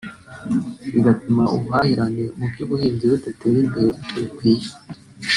bigatuma ubuhahirane mu by’ubuhizi budatera imbere uko bikwiye